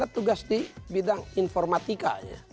tugas di bidang informatika